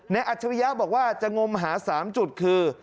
อัจฉริยะบอกว่าจะงมหา๓จุดคือ